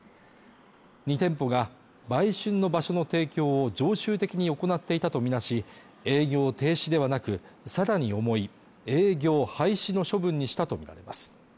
２店舗が売春の場所の提供を常習的に行っていたとみなし営業停止ではなく更に重い営業廃止の処分にしたと見られます